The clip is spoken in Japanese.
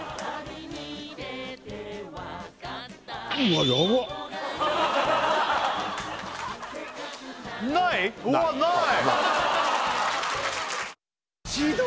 うわっない！